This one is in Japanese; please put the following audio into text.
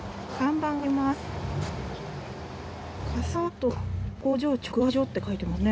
「粕川なっとう工場直売所」って書いてますね。